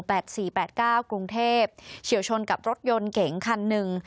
แปดเก้ากรุงเทพเฉียวชนกับรถยนต์เก๋งคันหนึ่ง